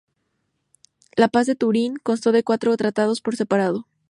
La Paz de Turín, constó de cuatro tratados por separado.